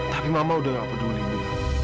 tapi mama udah gak peduli dengan dia